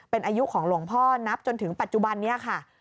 เป็นอายุของหลวงพ่อนับจนถึงปัจจุบันนี้ค่ะ